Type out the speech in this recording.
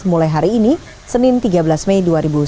mulai hari ini senin tiga belas mei dua ribu sembilan belas